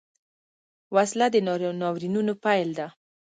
وسله د ناورینونو پیل ده